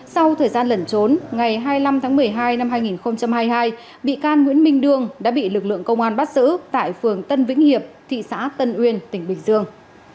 sau thời gian lẩn trốn ngày hai mươi năm tháng một mươi hai năm hai nghìn hai mươi hai bị can nguyễn minh đương đã bị lực lượng công an bắt giữ tại phường tân vĩnh hiệp thị xã tân uyên tỉnh bình dương